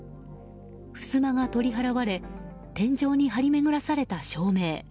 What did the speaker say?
ふすまが取り払われ天井に張り巡らされた照明。